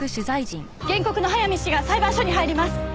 原告の早見氏が裁判所に入ります！